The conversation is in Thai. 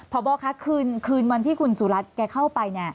พบคะคืนวันที่คุณสุรัตน์แกเข้าไป